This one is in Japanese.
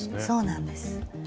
そうなんです。